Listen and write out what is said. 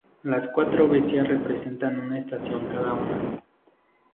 Las cuatro bestias representan una estación cada una.